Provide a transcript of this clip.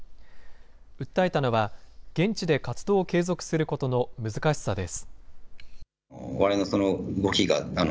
訴えたのは、現地で活動を継続することの難しさです。